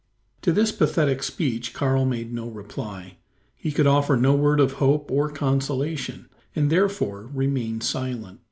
To this pathetic speech Karl made no reply. He could offer no word of hope or consolation; and therefore remained silent.